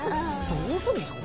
どうするんですか？